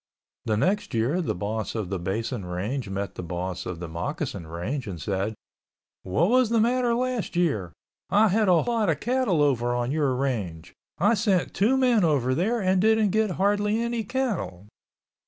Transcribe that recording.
The next year the boss of the Basin Range met the boss of the Moccasin Range and said, "What was the matter last year? I had a lot of cattle over on your range. I sent two men over there and didn't get hardly any cattle."